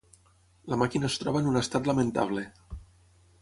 La màquina es troba en un estat lamentable.